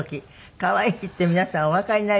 可愛いって皆さんおわかりになります？